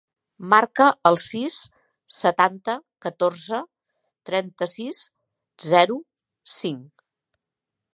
Marca el sis, setanta, catorze, trenta-sis, zero, cinc.